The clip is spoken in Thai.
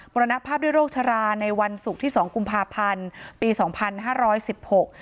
รณภาพด้วยโรคชราในวันศุกร์ที่สองกุมภาพันธ์ปีสองพันห้าร้อยสิบหก